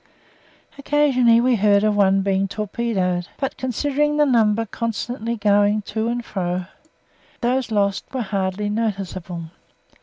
Occasionally we heard of one being torpedoed, but considering the number constantly going to and fro those lost were hardly noticeable.